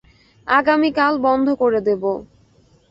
আগামী কাল বন্ধ করে দেব।